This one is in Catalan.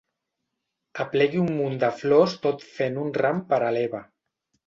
Aplegui un munt de flors tot fent un ram per a l'Eva.